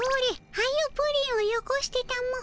はようプリンをよこしてたも。